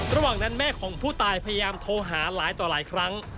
ระหว่างนั้นแม่ของผู้ตายพยายามโทรหาหลายต่อหลายครั้ง